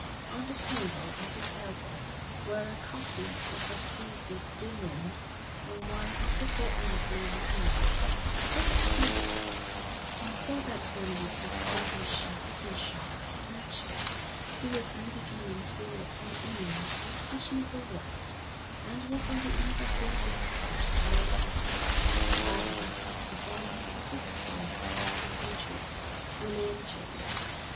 On the table at his elbow were a copy of the Revue des Deux Mondes and one of the Fortnightly Review. He took up two books, and saw that one was the Fröhliche Wissenschaft of Nietzsche, who was then beginning to be read in England by the fashionable world and was on the eve of being discovered by men of letters, while the other was a volume of Mrs. Crowley's compatriot, William James.